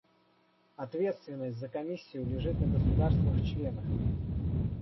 Ответственность за Комиссию лежит на государствах-членах.